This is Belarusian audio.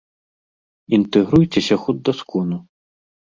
Інтэгруйцеся хоць да скону!